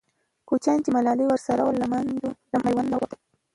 کوچیان چې ملالۍ ورسره وه، له میوند نه ووتل.